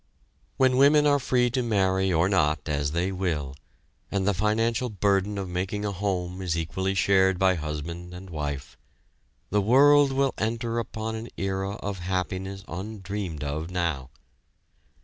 When women are free to marry or not as they will, and the financial burden of making a home is equally shared by husband and wife, the world will enter upon an era of happiness undreamed of now.